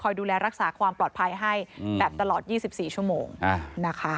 คอยดูแลรักษาความปลอดภัยให้แบบตลอดยี่สิบสี่ชั่วโมงนะคะ